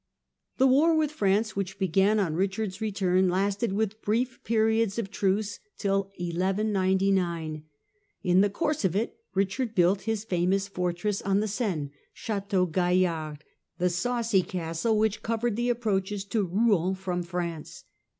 The war with France which began on Richard's return, lasted, with brief periods of truce, till 1199. In the course of it Richard built his famous fortress on the Seine, Chateau Gaillard, the " Saucy Castle," which covered the approaches to Rouen from France.